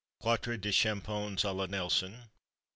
_ Quatre de Chapons à la Nelson.